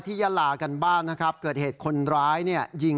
ที่แยล่ากันบ้านนะครับเกิดเหตุคนร้ายเนี่ย